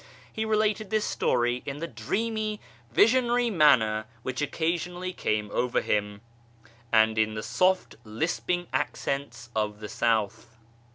He related this story in the dreamy, visionary manner which occasionally came over him, and in the soft lisping accents of the South.